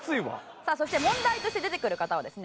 さあそして問題として出てくる方はですね